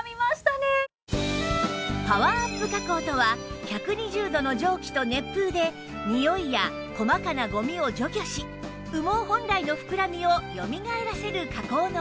パワーアップ加工とは１２０度の蒸気と熱風でにおいや細かなゴミを除去し羽毛本来の膨らみをよみがえらせる加工の事